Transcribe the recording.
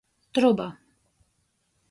Truba.